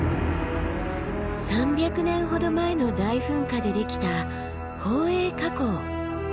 ３００年ほど前の大噴火でできた宝永火口。